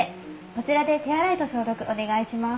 こちらで手洗いと消毒お願いします。